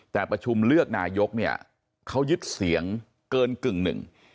แต่ประชุมเลือกนายกเนี่ยเขายึดเสียงเกินกึ่งหนึ่ง